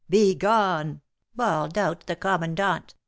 'Begone!' bawled out the commandant.